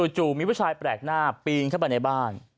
จู่มีผู้ชายแปลกหน้าปีนเข้าไปในบ้าน